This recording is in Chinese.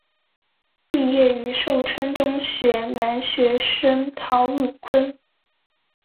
毕业于寿春中学男学生陶汝坤。